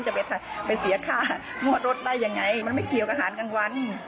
จะไปเสียค่างวดรถได้ยังไงมันไม่เกี่ยวกับอาหารกลางวัน